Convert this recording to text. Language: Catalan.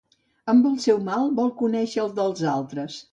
Amb el seu mal vol conèixer el dels altres.